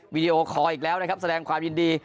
วิดีโอคอลอีกแล้วนะครับแสดงความยินดี